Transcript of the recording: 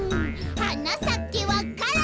「はなさけわか蘭」